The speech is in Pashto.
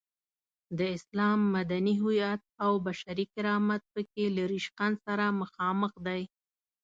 د اسلام مدني هویت او بشري کرامت په کې له ریشخند سره مخامخ دی.